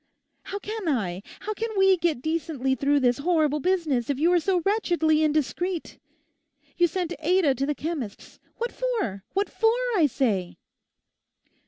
How can I, how can we get decently through this horrible business if you are so wretchedly indiscreet? You sent Ada to the chemist's. What for? What for? I say.